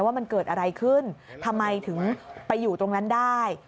ว่ามันเกิดอะไรขึ้นทำไมถึงไปอยู่ตรงนั้นได้